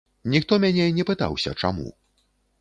Ніхто мяне не пытаўся, чаму.